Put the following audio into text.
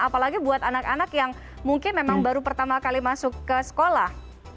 apalagi buat anak anak yang mungkin memang baru pertama kali masuk ke sekolah